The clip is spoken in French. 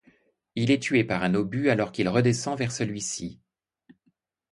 Il est tué par un obus alors qu'il redescend vers celui-ci.